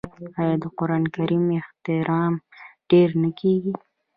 آیا د قران کریم احترام ډیر نه کیږي؟